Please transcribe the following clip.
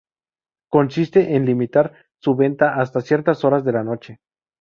Consiste en limitar su venta hasta ciertas horas de la noche.